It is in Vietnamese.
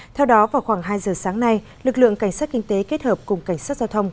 theo đó vào khoảng hai giờ sáng nay lực lượng cảnh sát kinh tế kết hợp cùng cảnh sát giao thông